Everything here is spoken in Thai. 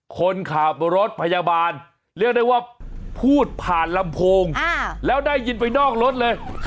คนขับรถพยาบาลเรียกได้ว่าพูดผ่านลำโพงแล้วได้ยินไปนอกรถเลย